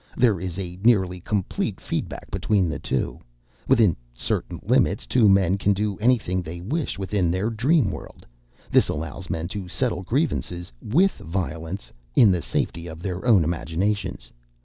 There is nearly complete feedback between the two. Within certain limits, the two men can do anything they wish within their dream world. This allows men to settle grievances with violence—in the safety of their own imaginations.